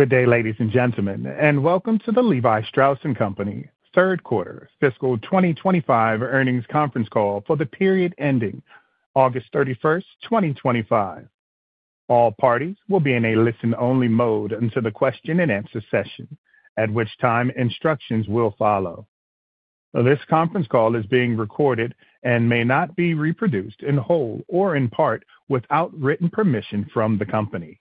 Good day, ladies and gentlemen, and welcome to the Levi Strauss & Co.'s third quarter fiscal 2025 earnings conference call for the period ending August 31st, 2025. All parties will be in a listen-only mode until the question-and-answer session, at which time instructions will follow. This conference call is being recorded and may not be reproduced in whole or in part without written permission from the company.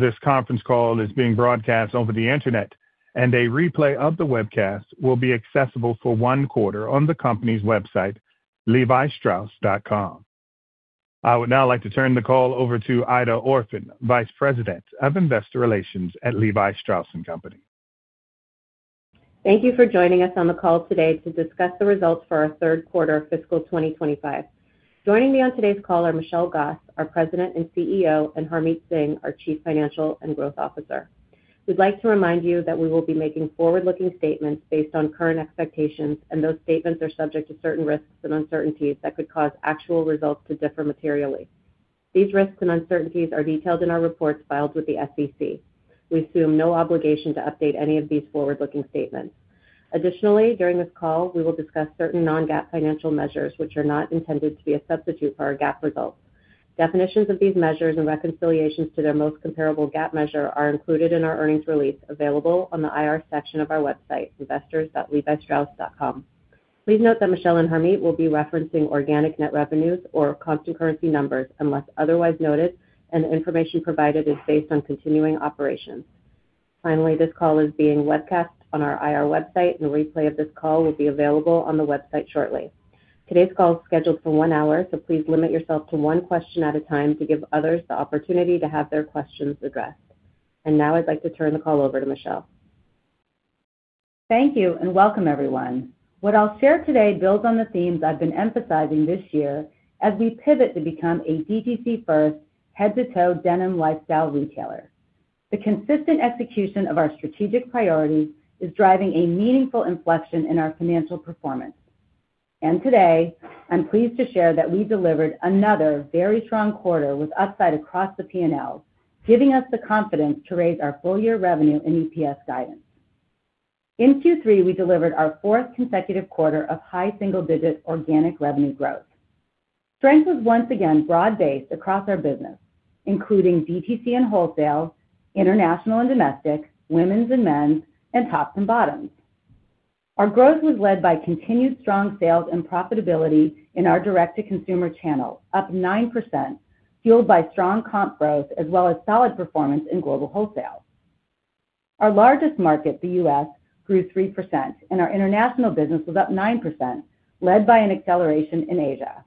This conference call is being broadcast over the internet, and a replay of the webcast will be accessible for one quarter on the company's website, levistrauss.com. I would now like to turn the call over to Aida Orphan, Vice President of Investor Relations at Levi Strauss & Co. Thank you for joining us on the call today to discuss the results for our third quarter fiscal 2025. Joining me on today's call are Michelle Gass, our President and CEO, and Harmit Singh, our Chief Financial and Growth Officer. We'd like to remind you that we will be making forward-looking statements based on current expectations, and those statements are subject to certain risks and uncertainties that could cause actual results to differ materially. These risks and uncertainties are detailed in our reports filed with the SEC. We assume no obligation to update any of these forward-looking statements. Additionally, during this call, we will discuss certain non-GAAP financial measures, which are not intended to be a substitute for our GAAP results. Definitions of these measures and reconciliations to their most comparable GAAP measure are included in our earnings release available on the IR section of our website, investors.levistrauss.com. Please note that Michelle and Harmit will be referencing organic net revenues or constant currency numbers unless otherwise noted, and the information provided is based on continuing operations. This call is being webcast on our IR website, and a replay of this call will be available on the website shortly. Today's call is scheduled for one hour, so please limit yourself to one question at a time to give others the opportunity to have their questions addressed. I'd like to turn the call over to Michelle. Thank you and welcome, everyone. What I'll share today builds on the themes I've been emphasizing this year as we pivot to become a DTC-first, head-to-toe denim lifestyle retailer. The consistent execution of our strategic priority is driving a meaningful inflection in our financial performance. Today, I'm pleased to share that we delivered another very strong quarter with upside across the P&L, giving us the confidence to raise our full-year revenue and EPS guidance. In Q3, we delivered our fourth consecutive quarter of high single-digit organic revenue growth. Strength was once again broad-based across our business, including DTC and wholesale, international and domestic, women's and men's, and tops and bottoms. Our growth was led by continued strong sales and profitability in our direct-to-consumer channel, up 9%, fueled by strong comp growth as well as solid performance in global wholesale. Our largest market, the U.S., grew 3%, and our international business was up 9%, led by an acceleration in Asia.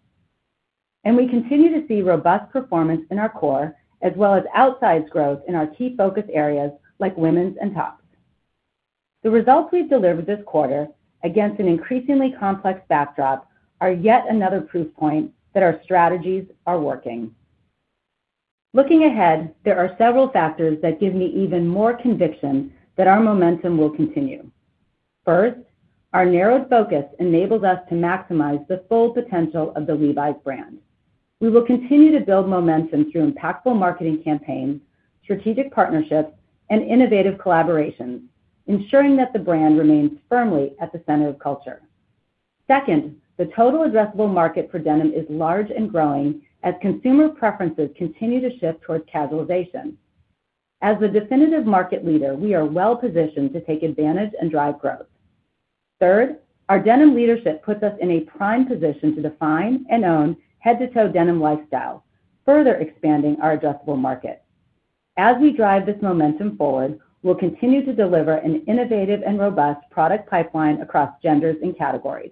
We continue to see robust performance in our core, as well as outsized growth in our key focus areas like women's and tops. The results we've delivered this quarter, against an increasingly complex backdrop, are yet another proof point that our strategies are working. Looking ahead, there are several factors that give me even more conviction that our momentum will continue. First, our narrow focus enables us to maximize the full potential of the Levi's brand. We will continue to build momentum through impactful marketing campaigns, strategic partnerships, and innovative collaborations, ensuring that the brand remains firmly at the center of culture. Second, the total addressable market for denim is large and growing as consumer preferences continue to shift towards casualization. As the definitive market leader, we are well positioned to take advantage and drive growth. Third, our denim leadership puts us in a prime position to define and own head-to-toe denim lifestyle, further expanding our addressable market. As we drive this momentum forward, we'll continue to deliver an innovative and robust product pipeline across genders and categories.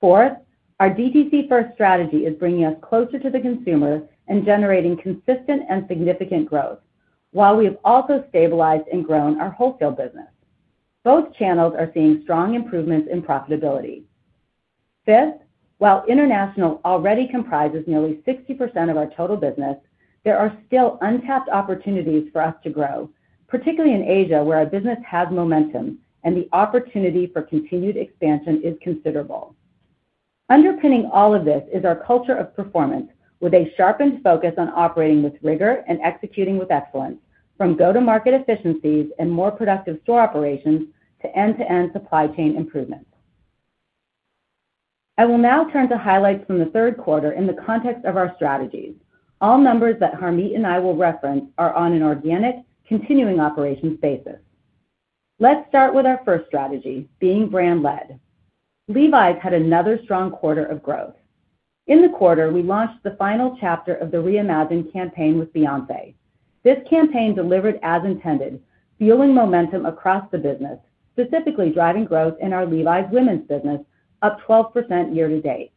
Fourth, our DTC-first strategy is bringing us closer to the consumer and generating consistent and significant growth, while we have also stabilized and grown our wholesale business. Both channels are seeing strong improvements in profitability. Fifth, while international already comprises nearly 60% of our total business, there are still untapped opportunities for us to grow, particularly in Asia, where our business has momentum and the opportunity for continued expansion is considerable. Underpinning all of this is our culture of performance, with a sharpened focus on operating with rigor and executing with excellence, from go-to-market efficiencies and more productive store operations to end-to-end supply chain improvements. I will now turn to highlights from the third quarter in the context of our strategies. All numbers that Harmit and I will reference are on an organic, continuing operations basis. Let's start with our first strategy, being brand-led. Levi's had another strong quarter of growth. In the quarter, we launched the final chapter of the Reimagine campaign with Beyoncé. This campaign delivered as intended, fueling momentum across the business, specifically driving growth in our Levi's women's business, up 12% year to date.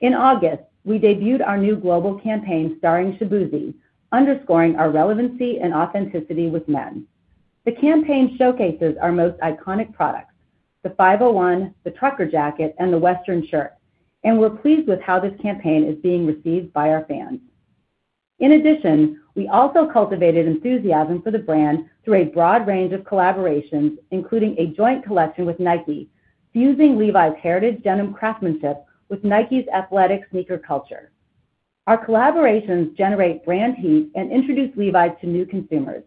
In August, we debuted our new global campaign starring Shaboozey, underscoring our relevancy and authenticity with men. The campaign showcases our most iconic products: the 501, the trucker jacket, and the Western shirt, and we're pleased with how this campaign is being received by our fans. In addition, we also cultivated enthusiasm for the brand through a broad range of collaborations, including a joint collection with Nike, fusing Levi's heritage denim craftsmanship with Nike's athletic sneaker culture. Our collaborations generate brand heat and introduce Levi's to new consumers.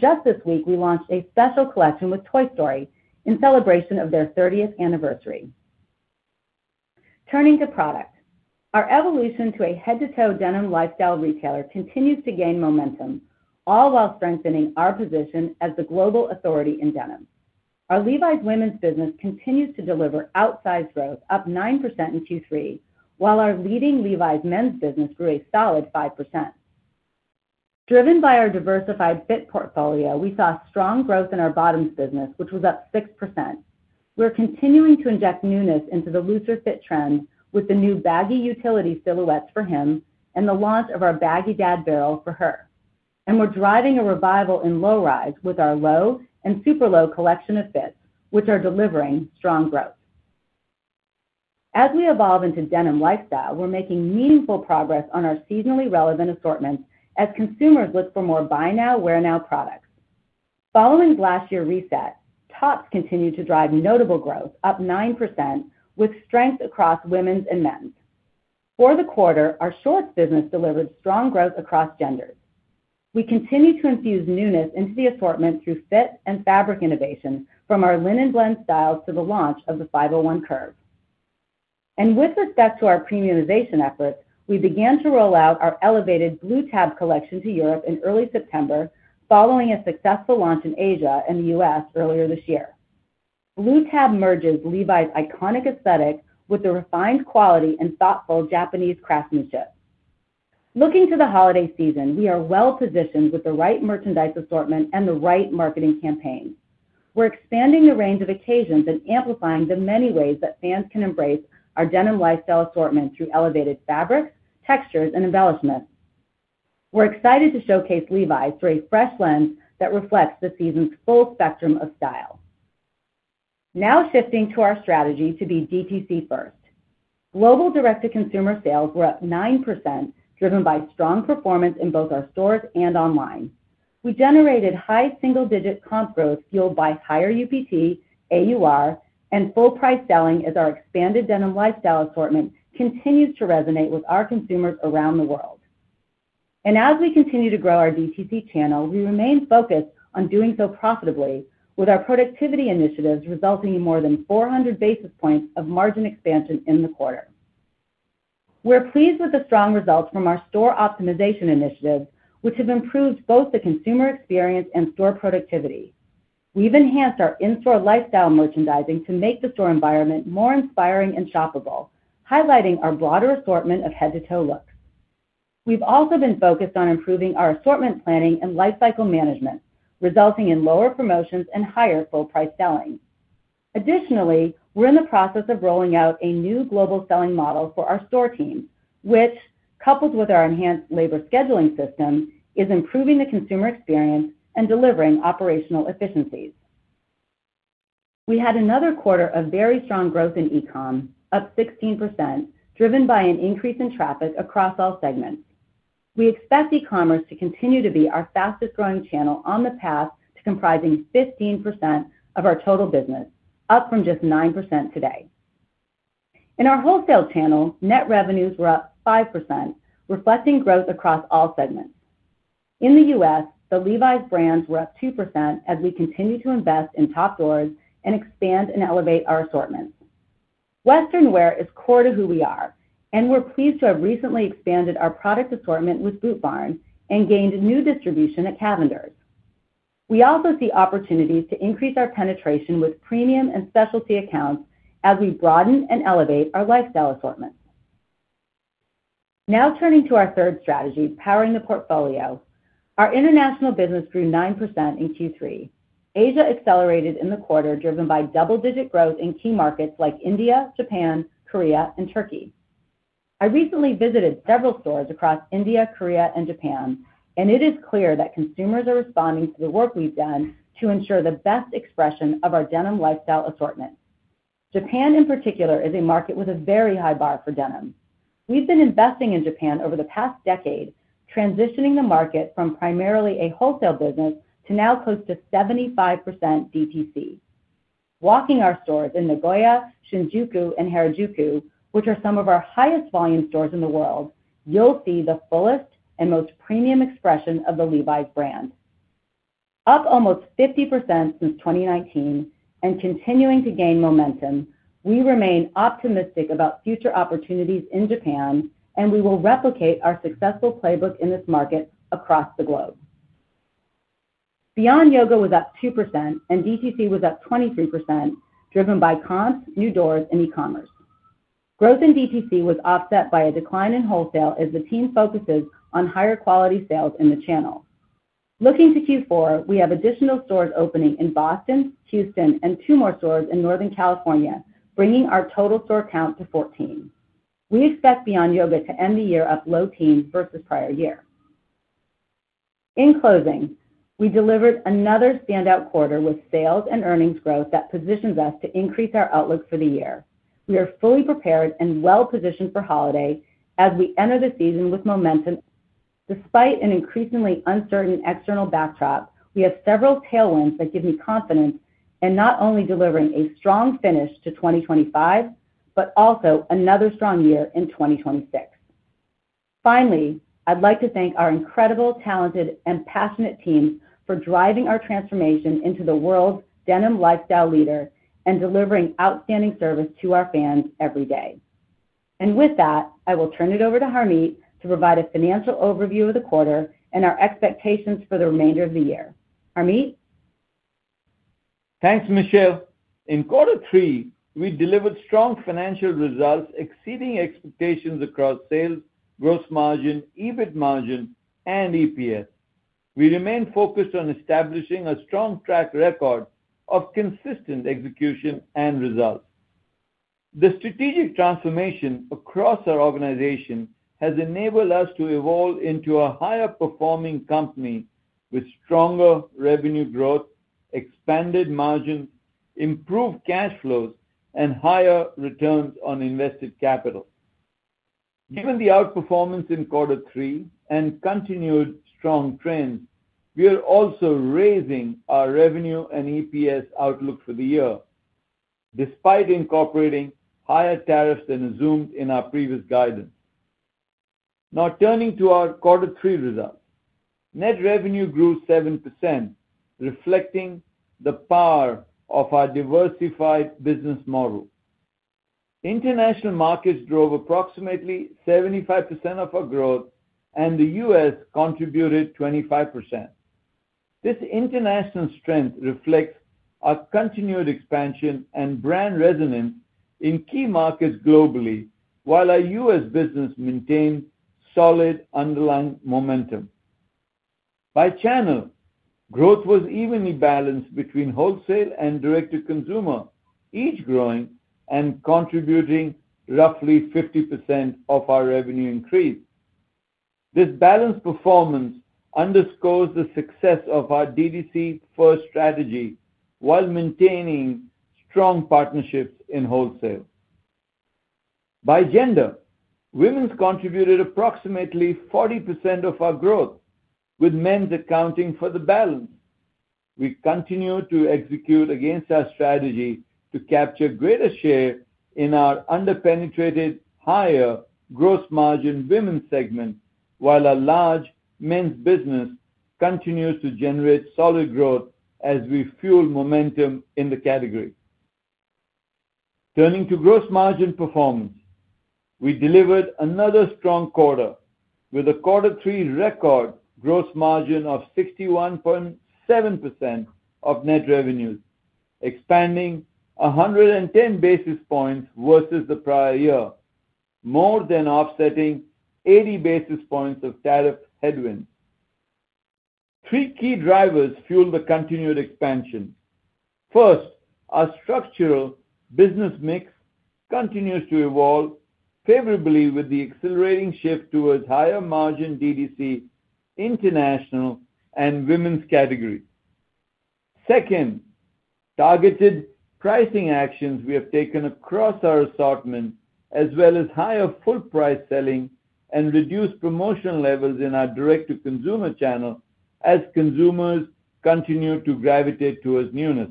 Just this week, we launched a special collection with Toy Story in celebration of their 30th anniversary. Turning to product, our evolution to a head-to-toe denim lifestyle retailer continues to gain momentum, all while strengthening our position as the global authority in denim. Our Levi's women's business continues to deliver outsized growth, up 9% in Q3, while our leading Levi's men's business grew a solid 5%. Driven by our diversified fit portfolio, we saw strong growth in our bottoms business, which was up 6%. We're continuing to inject newness into the looser fit trend with the new baggy utility silhouettes for him and the launch of our baggy dad barrel for her. We're driving a revival in low rise with our low and super low collection of fits, which are delivering strong growth. As we evolve into denim lifestyle, we're making meaningful progress on our seasonally relevant assortments as consumers look for more buy-now, wear-now products. Following last year's reset, tops continue to drive notable growth, up 9%, with strength across women's and men's. For the quarter, our shorts business delivered strong growth across genders. We continue to infuse newness into the assortment through fit and fabric innovation, from our linen blend styles to the launch of the 501 curve. With respect to our premiumization efforts, we began to roll out our elevated Blue Tab collection to Europe in early September, following a successful launch in Asia and the U.S. earlier this year. Blue Tab merges Levi's iconic aesthetic with the refined quality and thoughtful Japanese craftsmanship. Looking to the holiday season, we are well positioned with the right merchandise assortment and the right marketing campaigns. We're expanding the range of occasions and amplifying the many ways that fans can embrace our denim lifestyle assortment through elevated fabrics, textures, and embellishments. We're excited to showcase Levi's through a fresh lens that reflects the season's full spectrum of style. Now shifting to our strategy to be DTC-first. Global direct-to-consumer sales were up 9%, driven by strong performance in both our stores and online. We generated high single-digit comp growth fueled by higher UPT, AUR, and full price selling as our expanded denim lifestyle assortment continues to resonate with our consumers around the world. As we continue to grow our DTC channel, we remain focused on doing so profitably with our productivity initiatives resulting in more than 400 basis points of margin expansion in the quarter. We're pleased with the strong results from our store optimization initiatives, which have improved both the consumer experience and store productivity. We've enhanced our in-store lifestyle merchandising to make the store environment more inspiring and shoppable, highlighting our broader assortment of head-to-toe looks. We've also been focused on improving our assortment planning and lifecycle management, resulting in lower promotions and higher full price selling. Additionally, we're in the process of rolling out a new global selling model for our store team, which, coupled with our enhanced labor scheduling system, is improving the consumer experience and delivering operational efficiencies. We had another quarter of very strong growth in e-com, up 16%, driven by an increase in traffic across all segments. We expect e-commerce to continue to be our fastest growing channel on the path to comprising 15% of our total business, up from just 9% today. In our wholesale channel, net revenues were up 5%, reflecting growth across all segments. In the U.S., the Levi's brands were up 2% as we continue to invest in top doors and expand and elevate our assortments. Western wear is core to who we are, and we're pleased to have recently expanded our product assortment with Boot Barn and gained new distribution at Cavender. We also see opportunities to increase our penetration with premium and specialty accounts as we broaden and elevate our lifestyle assortment. Now turning to our third strategy, powering the portfolio, our international business grew 9% in Q3. Asia accelerated in the quarter, driven by double-digit growth in key markets like India, Japan, Korea, and Turkey. I recently visited several stores across India, Korea, and Japan, and it is clear that consumers are responding to the work we've done to ensure the best expression of our denim lifestyle assortment. Japan, in particular, is a market with a very high bar for denim. We've been investing in Japan over the past decade, transitioning the market from primarily a wholesale business to now close to 75% DTC. Walking our stores in Nagoya, Shinjuku, and Harajuku, which are some of our highest volume stores in the world, you'll see the fullest and most premium expression of the Levi's brand. Up almost 50% since 2019 and continuing to gain momentum, we remain optimistic about future opportunities in Japan, and we will replicate our successful playbook in this market across the globe. Beyond Yoga was up 2%, and DTC was up 22%, driven by comp, new doors, and e-commerce. Growth in DTC was offset by a decline in wholesale as the team focuses on higher quality sales in the channel. Looking to Q4, we have additional stores opening in Boston, Houston, and two more stores in Northern California, bringing our total store count to 14. We expect Beyond Yoga to end the year up low teens versus prior year. In closing, we delivered another standout quarter with sales and earnings growth that positions us to increase our outlook for the year. We are fully prepared and well positioned for holiday as we enter the season with momentum. Despite an increasingly uncertain external backdrop, we have several tailwinds that give me confidence in not only delivering a strong finish to 2025, but also another strong year in 2026. Finally, I'd like to thank our incredible, talented, and passionate teams for driving our transformation into the world's denim lifestyle leader and delivering outstanding service to our fans every day. With that, I will turn it over to Harmit to provide a financial overview of the quarter and our expectations for the remainder of the year. Harmit? Thanks, Michelle. In quarter three, we delivered strong financial results exceeding expectations across sales, gross margin, EBIT margin, and EPS. We remain focused on establishing a strong track record of consistent execution and results. The strategic transformation across our organization has enabled us to evolve into a higher-performing company with stronger revenue growth, expanded margins, improved cash flows, and higher returns on invested capital. Given the outperformance in quarter three and continued strong trends, we are also raising our revenue and EPS outlook for the year, despite incorporating higher tariffs than assumed in our previous guidance. Now turning to our quarter three results, net revenue grew 7%, reflecting the power of our diversified business model. International markets drove approximately 75% of our growth, and the U.S. contributed 25%. This international strength reflects our continued expansion and brand resonance in key markets globally, while our U.S. business maintained solid underlying momentum. By channel, growth was evenly balanced between wholesale and direct-to-consumer, each growing and contributing roughly 50% of our revenue increase. This balanced performance underscores the success of our DTC-first strategy while maintaining strong partnerships in wholesale. By gender, women's contributed approximately 40% of our growth, with men's accounting for the balance. We continue to execute against our strategy to capture greater share in our underpenetrated, higher gross margin women's segment, while a large men's business continues to generate solid growth as we fuel momentum in the category. Turning to gross margin performance, we delivered another strong quarter with a quarter three record gross margin of 61.7% of net revenues, expanding 110 basis points versus the prior year, more than offsetting 80 basis points of tariff headwind. Three key drivers fuel the continued expansion. First, our structural business mix continues to evolve favorably with the accelerating shift towards higher margin DTC, international, and women's categories. Second, targeted pricing actions we have taken across our assortment, as well as higher full price selling and reduced promotional levels in our direct-to-consumer channel as consumers continue to gravitate towards newness.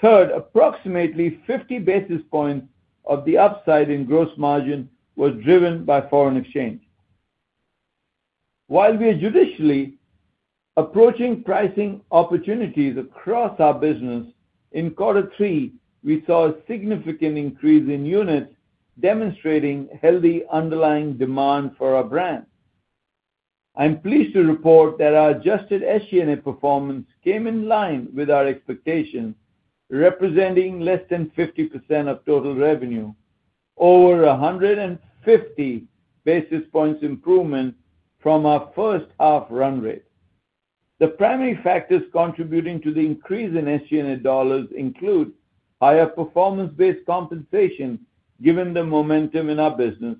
Third, approximately 50 basis points of the upside in gross margin was driven by foreign exchange. While we are judiciously approaching pricing opportunities across our business, in quarter three, we saw a significant increase in units, demonstrating healthy underlying demand for our brand. I'm pleased to report that our adjusted SG&A performance came in line with our expectations, representing less than 50% of total revenue, over 150 basis points improvement from our first half run rate. The primary factors contributing to the increase in SG&A dollars include higher performance-based compensation, given the momentum in our business,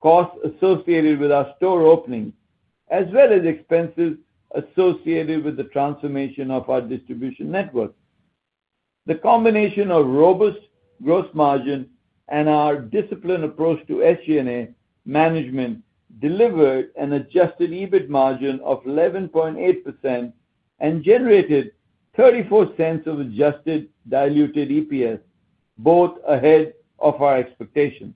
costs associated with our store opening, as well as expenses associated with the transformation of our distribution network. The combination of robust gross margin and our disciplined approach to SG&A management delivered an adjusted EBIT margin of 11.8% and generated $0.34 of adjusted diluted EPS, both ahead of our expectations.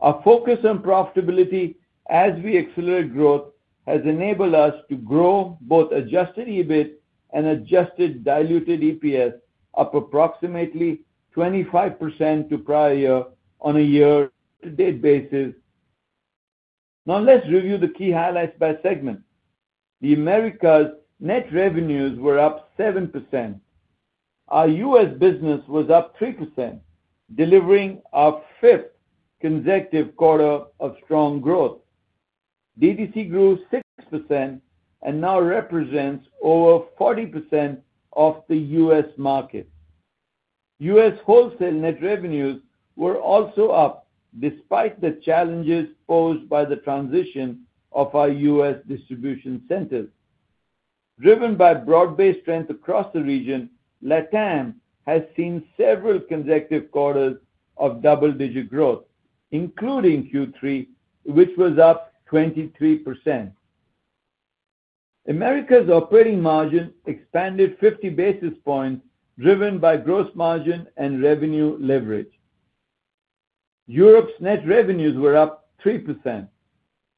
Our focus on profitability as we accelerate growth has enabled us to grow both adjusted EBIT and adjusted diluted EPS up approximately 25% to prior year on a year-to-date basis. Now let's review the key highlights by segment. The Americas' net revenues were up 7%. Our U.S. business was up 3%, delivering our fifth consecutive quarter of strong growth. DTC grew 6% and now represents over 40% of the U.S. market. U.S. wholesale net revenues were also up despite the challenges posed by the transition of our U.S. distribution centers. Driven by broad-based strength across the region, LatAm has seen several consecutive quarters of double-digit growth, including Q3, which was up 23%. Americas' operating margin expanded 50 basis points, driven by gross margin and revenue leverage. Europe's net revenues were up 3%.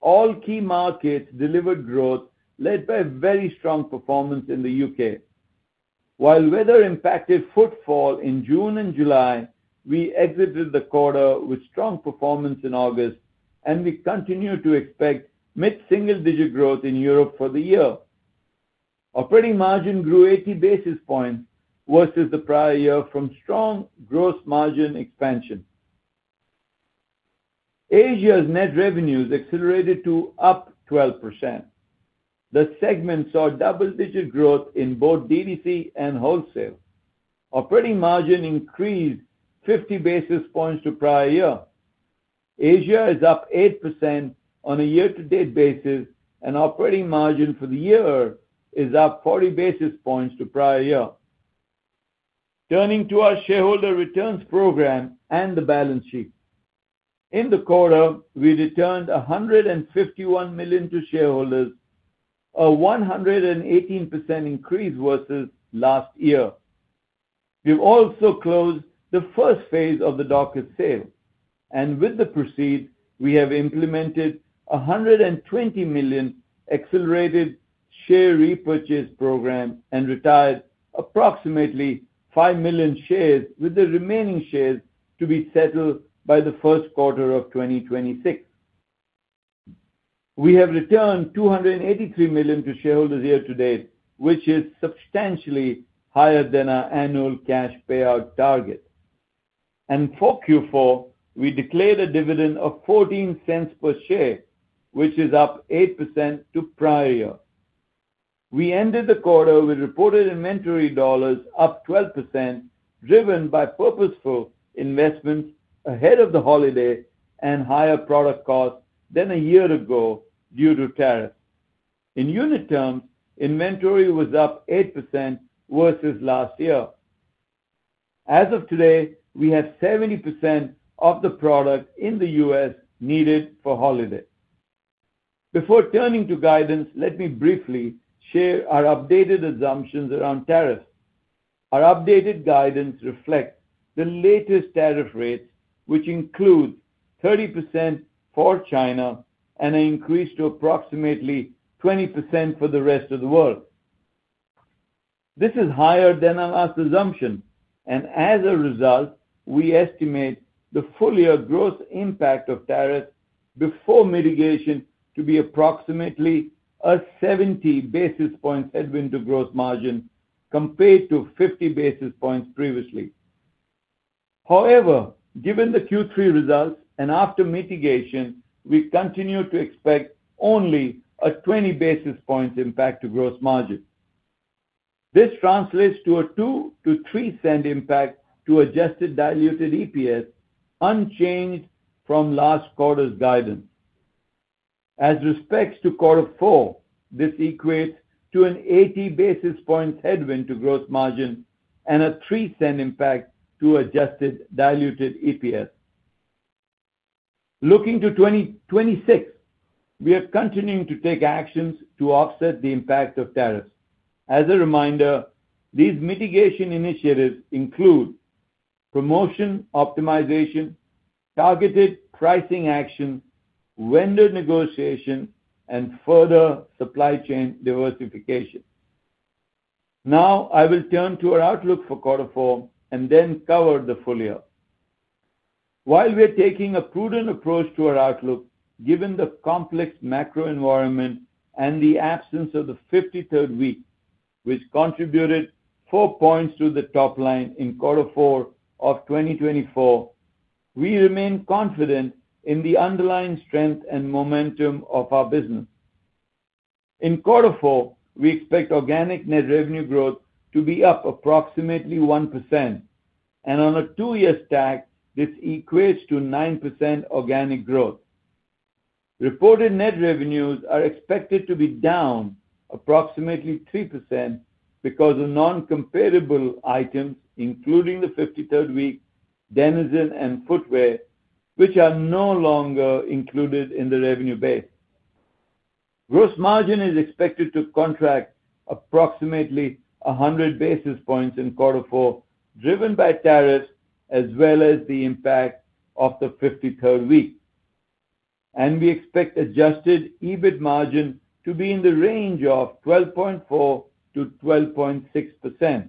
All key markets delivered growth, led by a very strong performance in the U.K.. While weather impacted footfall in June and July, we exited the quarter with strong performance in August, and we continue to expect mid-single-digit growth in Europe for the year. Operating margin grew 80 basis points versus the prior year from strong gross margin expansion. Asia's net revenues accelerated to up 12%. The segment saw double-digit growth in both DTC and wholesale. Operating margin increased 50 basis points to prior year. Asia is up 8% on a year-to-date basis, and operating margin for the year is up 40 basis points to prior year. Turning to our shareholder returns program and the balance sheet. In the quarter, we returned $151 million to shareholders, a 118% increase versus last year. We've also closed the first phase of the Dockers sale, and with the proceeds, we have implemented a $120 million accelerated share repurchase program and retired approximately 5 million shares, with the remaining shares to be settled by the first quarter of 2026. We have returned $283 million to shareholders year to date, which is substantially higher than our annual cash payout target. For Q4, we declared a dividend of $0.14 per share, which is up 8% to prior year. We ended the quarter with reported inventory dollars up 12%, driven by purposeful investments ahead of the holiday and higher product costs than a year ago due to tariffs. In unit terms, inventory was up 8% versus last year. As of today, we have 70% of the product in the U.S. needed for holiday. Before turning to guidance, let me briefly share our updated assumptions around tariffs. Our updated guidance reflects the latest tariff rates, which include 30% for China and an increase to approximately 20% for the rest of the world. This is higher than our last assumption, and as a result, we estimate the full-year growth impact of tariffs before mitigation to be approximately a 70 basis point headwind to gross margin compared to 50 basis points previously. However, given the Q3 results and after mitigation, we continue to expect only a 20 basis point impact to gross margin. This translates to a $0.02-$0.03 impact to adjusted diluted EPS, unchanged from last quarter's guidance. As respects to quarter four, this equates to an 80 basis point headwind to gross margin and a $0.03 impact to adjusted diluted EPS. Looking to 2026, we are continuing to take actions to offset the impact of tariffs. As a reminder, these mitigation initiatives include promotion optimization, targeted pricing action, vendor negotiation, and further supply chain diversification. Now I will turn to our outlook for quarter four and then cover the full year. While we are taking a prudent approach to our outlook, given the complex macro environment and the absence of the 53rd week, which contributed 4 points to the top line in quarter four of 2024, we remain confident in the underlying strength and momentum of our business. In quarter four, we expect organic net revenue growth to be up approximately 1%, and on a two-year stack, this equates to 9% organic growth. Reported net revenues are expected to be down approximately 3% because of non-comparable items, including the 53rd week, DENIZEN, and footwear, which are no longer included in the revenue base. Gross margin is expected to contract approximately 100 basis points in quarter four, driven by tariffs as well as the impact of the 53rd week. We expect adjusted EBIT margin to be in the range of 12.4%-12.6%.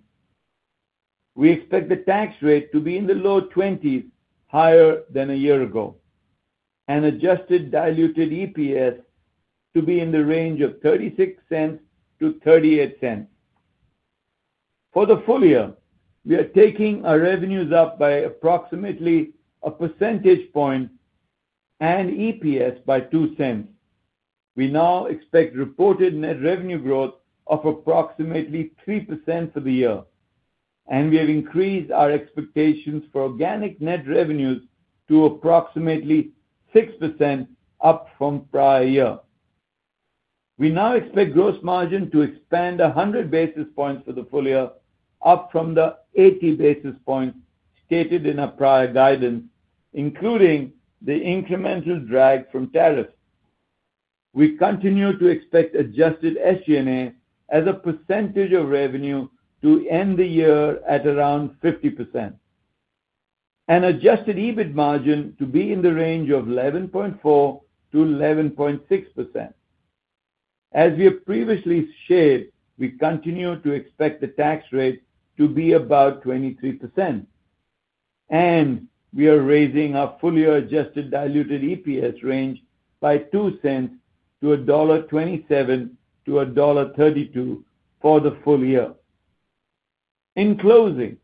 We expect the tax rate to be in the low 20s, higher than a year ago, and adjusted diluted EPS to be in the range of $0.36-$0.38. For the full year, we are taking our revenues up by approximately a percentage point and EPS by $0.02. We now expect reported net revenue growth of approximately 3% for the year, and we have increased our expectations for organic net revenues to approximately 6% up from prior year. We now expect gross margin to expand 100 basis points for the full year, up from the 80 basis points stated in our prior guidance, including the incremental drag from tariffs. We continue to expect adjusted SG&A as a percentage of revenue to end the year at around 50%, and adjusted EBIT margin to be in the range of 11.4%-11.6%. As we have previously shared, we continue to expect the tax rate to be about 23%. We are raising our full-year adjusted diluted EPS range by $0.02 to $1.27-$1.32 for the full year. In closing,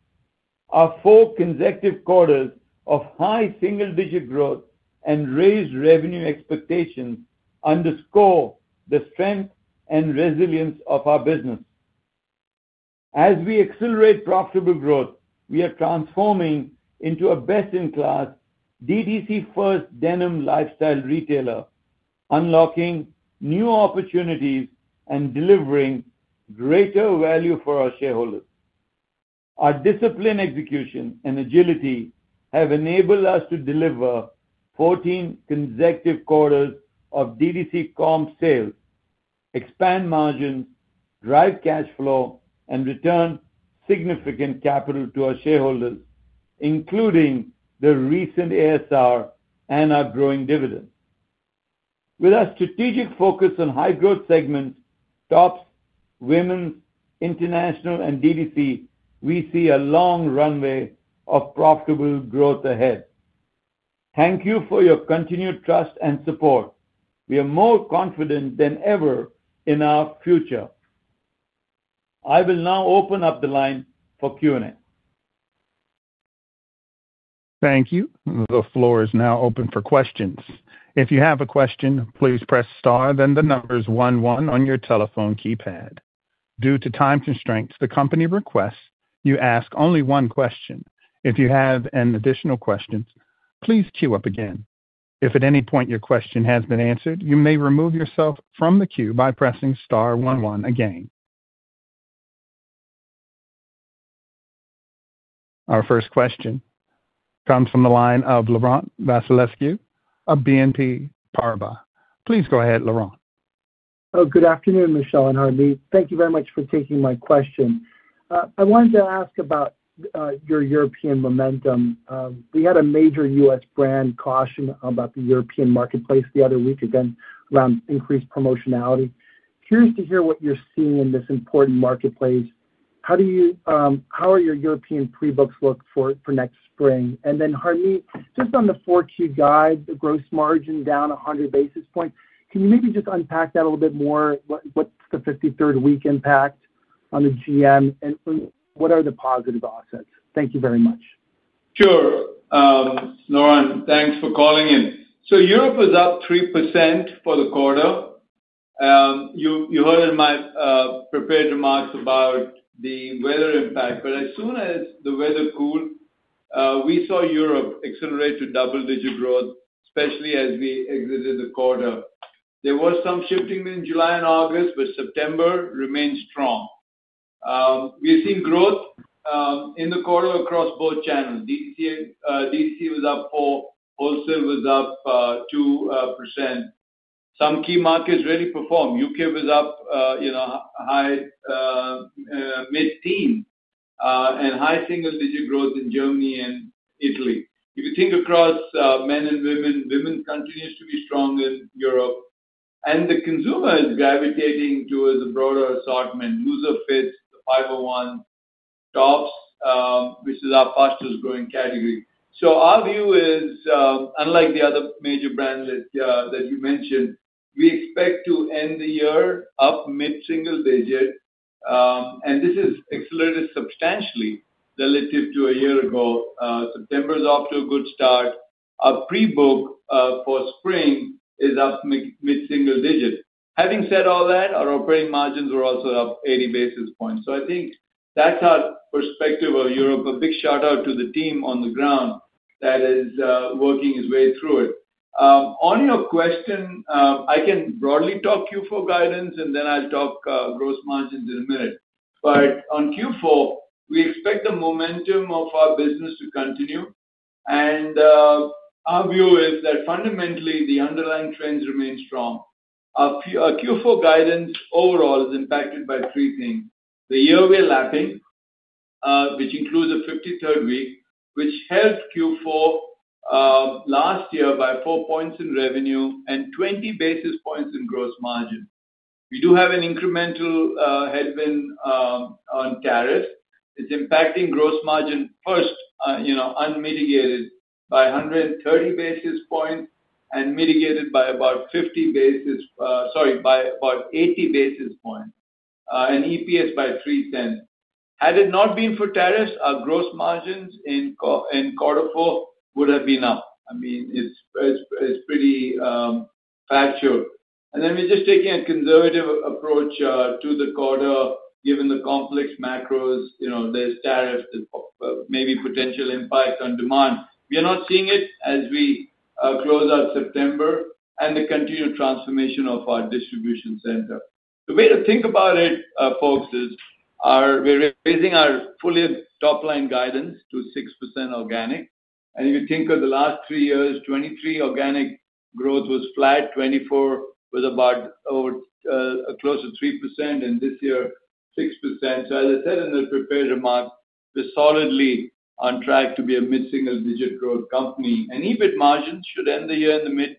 our four consecutive quarters of high single-digit growth and raised revenue expectations underscore the strength and resilience of our business. As we accelerate profitable growth, we are transforming into a best-in-class DTC-first denim lifestyle retailer, unlocking new opportunities and delivering greater value for our shareholders. Our disciplined execution and agility have enabled us to deliver 14 consecutive quarters of DTC comp sales, expand margins, drive cash flow, and return significant capital to our shareholders, including the recent accelerated share repurchase and our growing dividend. With our strategic focus on high growth segments, tops, women, international, and DTC, we see a long runway of profitable growth ahead. Thank you for your continued trust and support. We are more confident than ever in our future. I will now open up the line for Q&A. Thank you. The floor is now open for questions. If you have a question, please press star, then the numbers one-one on your telephone keypad. Due to time constraints, the company requests you ask only one question. If you have an additional question, please queue up again. If at any point your question has been answered, you may remove yourself from the queue by pressing star one-one again. Our first question comes from the line of Laurent Vasilescu of BNP Paribas. Please go ahead, Laurent. Oh, good afternoon, Michelle and Harmit. Thank you very much for taking my question. I wanted to ask about your European momentum. We had a major U.S. brand caution about the European marketplace the other week again around increased promotionality. Curious to hear what you're seeing in this important marketplace. How do you, how are your European pre-books look for next spring? Harmit, just on the 4Q guide, the gross margin down 100 basis points, can you maybe just unpack that a little bit more? What's the 53rd week impact on the GM and what are the positive offsets? Thank you very much. Sure. Laurent, thanks for calling in. Europe is up 3% for the quarter. You heard in my prepared remarks about the weather impact, but as soon as the weather cooled, we saw Europe accelerate to double-digit growth, especially as we exited the quarter. There was some shifting in July and August, but September remains strong. We've seen growth in the quarter across both channels. DTC was up 4%, wholesale was up 2%. Some key markets really performed. U.K. was up high mid-teen, and high single-digit growth in Germany and Italy. If you think across men and women, women continue to be strong in Europe, and the consumer is gravitating towards a broader assortment: looser fits, 501, tops, which is our fastest growing category. Our view is, unlike the other major brands that you mentioned, we expect to end the year up mid-single digit, and this has accelerated substantially relative to a year ago. September is off to a good start. Our pre-book for spring is up mid-single digit. Having said all that, our operating margins were also up 80 basis points. I think that's our perspective of Europe. A big shout out to the team on the ground that is working its way through it. On your question, I can broadly talk Q4 guidance, and then I'll talk gross margins in a minute. On Q4, we expect the momentum of our business to continue, and our view is that fundamentally the underlying trends remain strong. Our Q4 guidance overall is impacted by three things. The year we're lapping, which includes the 53rd week, which helps Q4 last year by 4 points in revenue and 20 basis points in gross margin. We do have an incremental headwind on tariffs. It's impacting gross margin first, unmitigated by 130 basis points and mitigated by about 80 basis points and EPS by $0.03. Had it not been for tariffs, our gross margins in quarter four would have been up. It's pretty factual. We're just taking a conservative approach to the quarter given the complex macros. There are tariffs, maybe potential impacts on demand. We are not seeing it as we close out September and the continued transformation of our distribution center. The way to think about it, folks, is we're raising our fully top line guidance to 6% organic. If you think of the last three years, 23% organic growth was flat, 24% was about close to 3%, and this year, 6%. As I said in the prepared remarks, we're solidly on track to be a mid-single-digit growth company. EBIT margins should end the year in the mid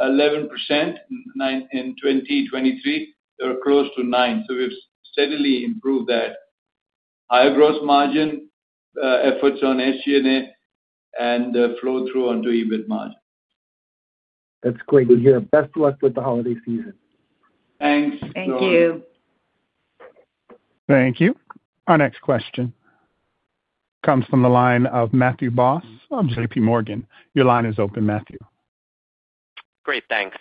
11% in 2023. They're close to 9%, so we've steadily improved that. Higher gross margin efforts on SG&A and flow through onto EBIT margin. That's great to hear. Best of luck with the holiday season. Thanks. Thank you. Thank you. Our next question comes from the line of Matthew Boss of JPMorgan. Your line is open, Matthew. Great, thanks.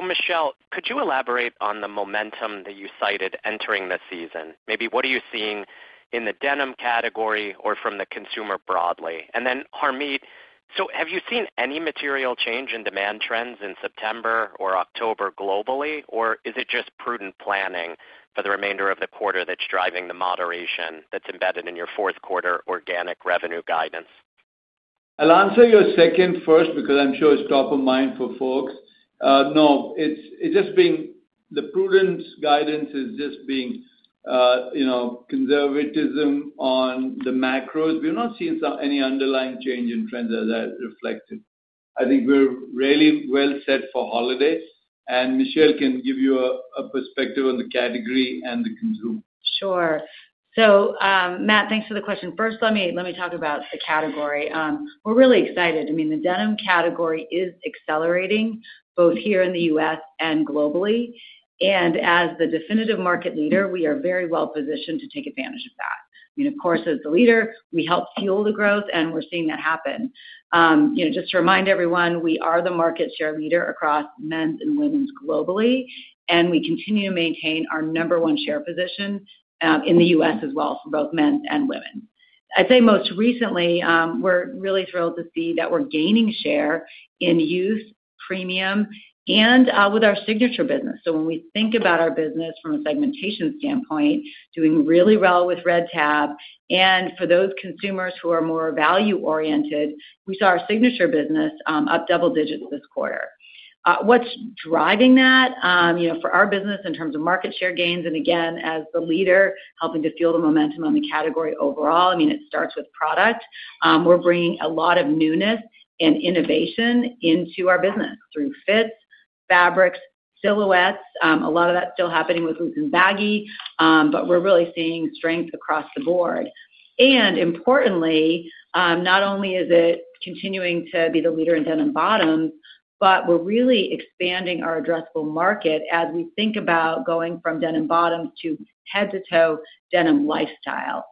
Michelle, could you elaborate on the momentum that you cited entering the season? Maybe what are you seeing in the denim category or from the consumer broadly? Harmit, have you seen any material change in demand trends in September or October globally, or is it just prudent planning for the remainder of the quarter that's driving the moderation that's embedded in your fourth quarter organic revenue guidance? I'll answer your second first because I'm sure it's top of mind for folks. No, it's just being, the prudent guidance is just being, you know, conservatism on the macros. We're not seeing any underlying change in trends as I reflected. I think we're really well set for holidays, and Michelle can give you a perspective on the category and the consumer. Sure. So Matt, thanks for the question. First, let me talk about the category. We're really excited. I mean, the denim category is accelerating both here in the U.S. and globally. As the definitive market leader, we are very well positioned to take advantage of that. Of course, as the leader, we help fuel the growth, and we're seeing that happen. Just to remind everyone, we are the market share leader across men's and women's globally, and we continue to maintain our number one share position in the U.S. as well for both men and women. I'd say most recently, we're really thrilled to see that we're gaining share in youth, premium, and with our Signature business. When we think about our business from a segmentation standpoint, doing really well with Red Tab, and for those consumers who are more value-oriented, we saw our Signature business up double digits this quarter. What's driving that? For our business in terms of market share gains, and again, as the leader, helping to fuel the momentum on the category overall, it starts with product. We're bringing a lot of newness and innovation into our business through fits, fabrics, silhouettes. A lot of that's still happening with loops and baggy, but we're really seeing strength across the board. Importantly, not only is it continuing to be the leader in denim bottoms, but we're really expanding our addressable market as we think about going from denim bottoms to head-to-toe denim lifestyle.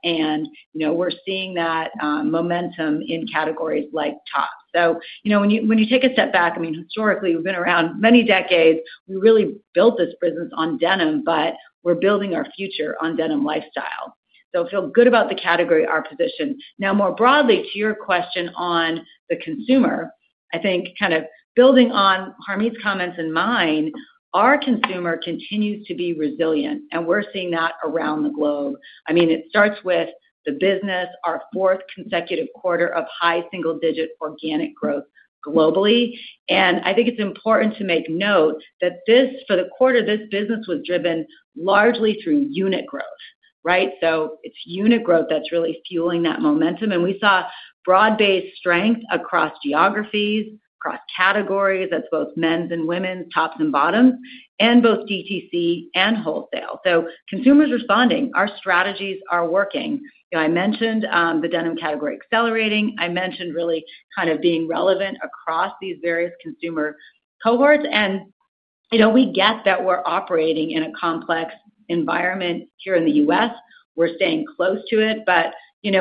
We're seeing that momentum in categories like tops. When you take a step back, historically, we've been around many decades. We really built this business on denim, but we're building our future on denim lifestyle. I feel good about the category and our position. Now, more broadly to your question on the consumer, I think kind of building on Harmit's comments and mine, our consumer continues to be resilient, and we're seeing that around the globe. It starts with the business, our fourth consecutive quarter of high single-digit organic growth globally. I think it's important to make note that for the quarter, this business was driven largely through unit growth, right? It's unit growth that's really fueling that momentum. We saw broad-based strength across geographies, across categories, that's both men's and women's, tops and bottoms, and both DTC and wholesale. Consumers are responding. Our strategies are working. I mentioned the denim category accelerating. I mentioned really kind of being relevant across these various consumer cohorts. We get that we're operating in a complex environment here in the U.S. We're staying close to it.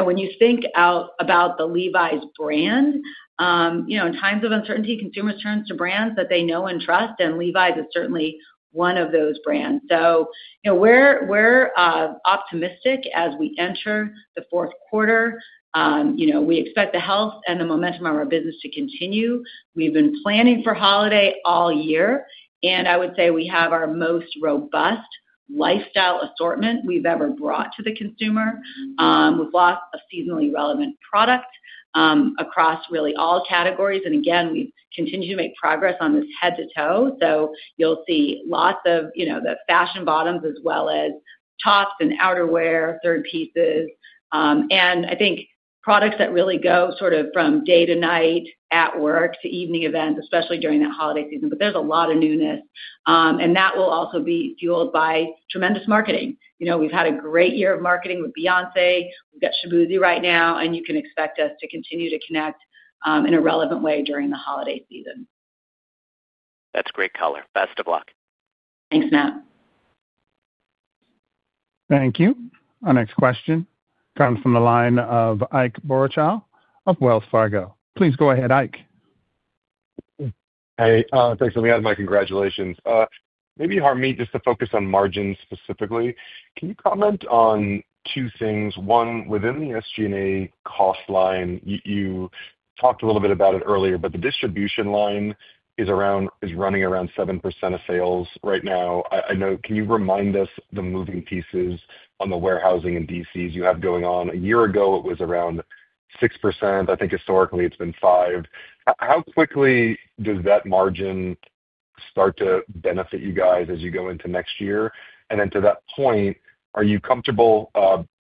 When you think about the Levi's brand, in times of uncertainty, consumers turn to brands that they know and trust, and Levi's is certainly one of those brands. We're optimistic as we enter the fourth quarter. We expect the health and the momentum of our business to continue. We've been planning for holiday all year. I would say we have our most robust lifestyle assortment we've ever brought to the consumer. We've launched a seasonally relevant product across really all categories. We continue to make progress on this head-to-toe. You'll see lots of the fashion bottoms as well as tops and outerwear, third pieces. I think products that really go sort of from day to night at work to evening events, especially during that holiday season. There's a lot of newness. That will also be fueled by tremendous marketing. We've had a great year of marketing with Beyoncé. We've got Shaboozey right now, and you can expect us to continue to connect in a relevant way during the holiday season. That's great color. Best of luck. Thanks, Matt. Thank you. Our next question comes from the line of Ike Boruchow of Wells Fargo. Please go ahead, Ike. Hey, thanks for the add, Mike. Congratulations. Maybe Harmit, just to focus on margins specifically, can you comment on two things? One, within the SG&A cost line, you talked a little bit about it earlier, but the distribution line is running around 7% of sales right now. I know, can you remind us the moving pieces on the warehousing and DCs you have going on? A year ago, it was around 6%. I think historically, it's been 5%. How quickly does that margin start to benefit you guys as you go into next year? To that point, are you comfortable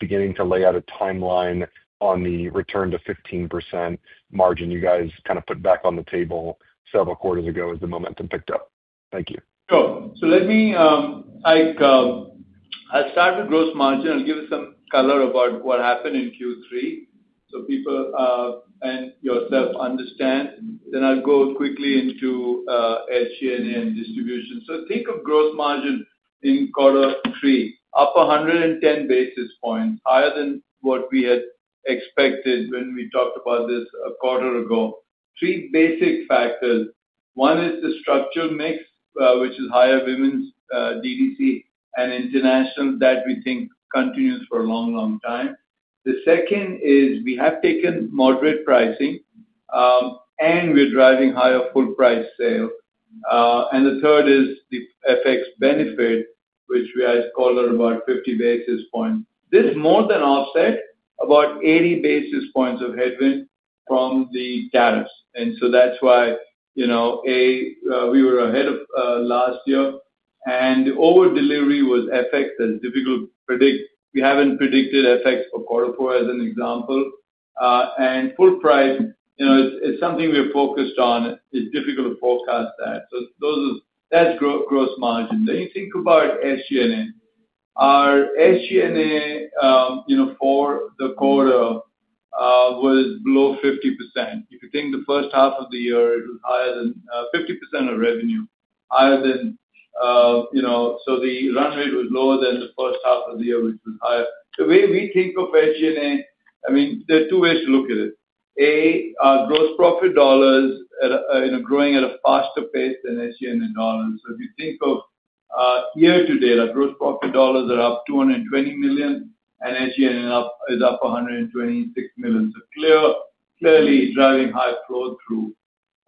beginning to lay out a timeline on the return to 15% margin you guys kind of put back on the table several quarters ago as the momentum picked up? Thank you. Sure. Let me start with gross margin. I'll give you some color about what happened in Q3 so people and yourself understand. I'll go quickly into SG&A and distribution. Think of gross margin in quarter three, up 110 basis points, higher than what we had expected when we talked about this a quarter ago. Three basic factors. One is the structural mix, which is higher women's DTC and international that we think continues for a long, long time. The second is we have taken moderate pricing, and we're driving higher full price sale. The third is the FX benefit, which we are calling about 50 basis points. This is more than offset, about 80 basis points of headwind from the tariffs. That's why, you know, A, we were ahead of last year, and the over-delivery was FX. It's difficult to predict. We haven't predicted FX for quarter four as an example. Full price, you know, it's something we're focused on. It's difficult to forecast that. Those are, that's gross margin. Think about SG&A. Our SG&A, you know, for the quarter was below 50%. If you think the first half of the year was higher than 50% of revenue, higher than, you know, so the run rate was lower than the first half of the year, which was higher. The way we think of SG&A, I mean, there are two ways to look at it. A, our gross profit dollars are growing at a faster pace than SG&A dollars. If you think of year-to-date, our gross profit dollars are up $220 million, and SG&A is up $126 million. Clearly driving high flow through.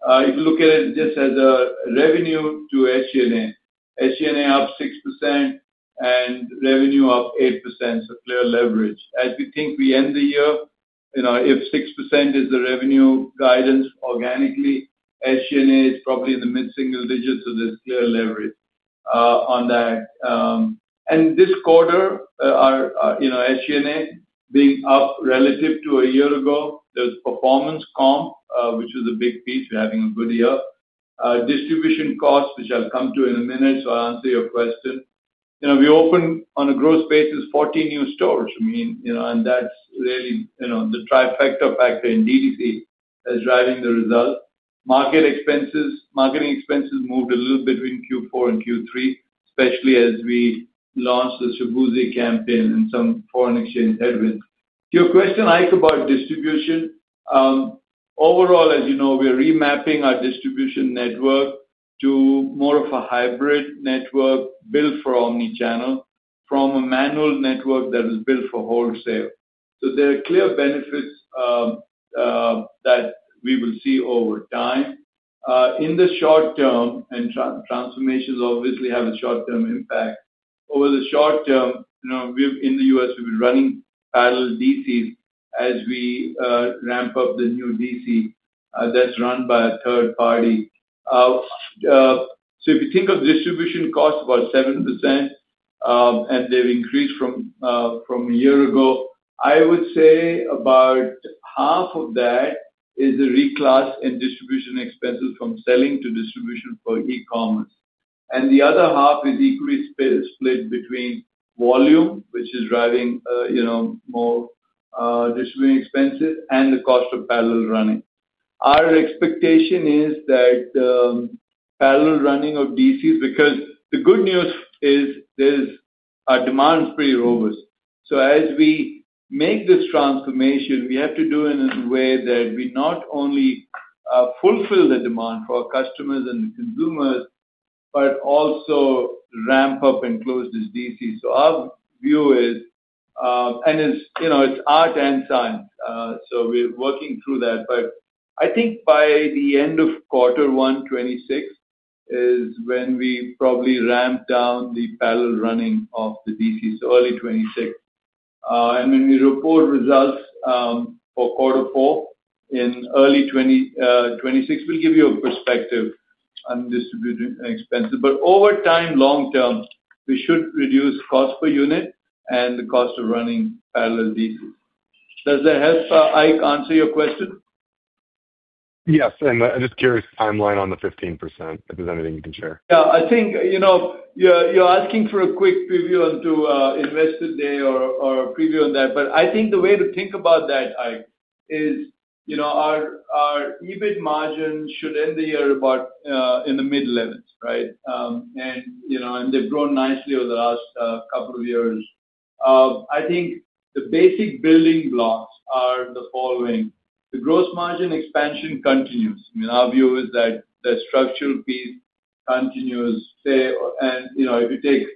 If you look at it just as a revenue to SG&A, SG&A up 6% and revenue up 8%, so clear leverage. As we think we end the year, you know, if 6% is the revenue guidance organically, SG&A is probably in the mid-single digits, so there's clear leverage on that. This quarter, our, you know, SG&A is big up relative to a year ago. There's performance comp, which was a big piece. We're having a good year. Distribution costs, which I'll come to in a minute, so I'll answer your question. We open on a gross basis 14 new stores. That's really, you know, the trifecta factor in DTC is driving the result. Marketing expenses moved a little bit between Q4 and Q3, especially as we launched the Shaboozey campaign and some foreign exchange headwind. To your question, Ike, about distribution, overall, as you know, we're remapping our distribution network to more of a hybrid network built for omnichannel from a manual network that is built for wholesale. There are clear benefits that we will see over time. In the short term, transformations obviously have a short-term impact. Over the short term, in the U.S., we'll be running parallel DCs as we ramp up the new DC that's run by a third party. If you think of distribution costs, about 7%, and they've increased from a year ago, I would say about half of that is a reclass in distribution expenses from selling to distribution for e-commerce. The other half is equally split between volume, which is driving more distribution expenses, and the cost of parallel running. Our expectation is that the parallel running of DCs, because the good news is our demand is pretty robust. As we make this transformation, we have to do it in a way that we not only fulfill the demand for our customers and the consumers, but also ramp up and close this DC. Our view is, and it's art and science. We're working through that. I think by the end of quarter one, 2026, is when we probably ramp down the parallel running of the DC, so early 2026. When we report results for quarter four in early 2026, we'll give you a perspective on distribution expenses. Over time, long term, we should reduce cost per unit and the cost of running parallel DC. Does that help, Ike, answer your question? Yes, I'm just curious timeline on the 15%. If there's anything you can share. Yeah, I think, you know, you're asking for a quick preview onto Investor Day or a preview on that. I think the way to think about that, Ike, is, you know, our EBIT margin should end the year about in the mid-11s, right? They've grown nicely over the last couple of years. I think the basic building blocks are the following. The gross margin expansion continues. I mean, our view is that the structural piece continues. If you take